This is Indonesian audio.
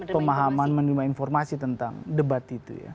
pemahaman menerima informasi tentang debat itu ya